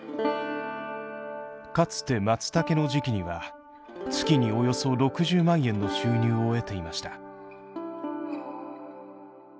かつてマツタケの時期には月におよそ６０万円の収入を得ていました。